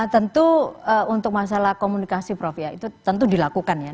tentu untuk masalah komunikasi prof ya itu tentu dilakukan ya